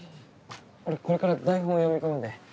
俺これから台本読み込むんで。